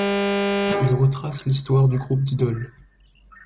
Il retrace l’histoire du groupe d’idoles.